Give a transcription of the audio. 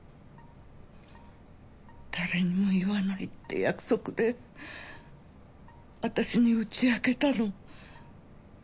誰にも言わないって約束で私に打ち明けたの。